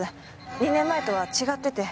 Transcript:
２年前とは違ってて。